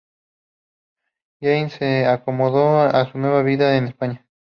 Jane se acomodó a su nueva vida en España.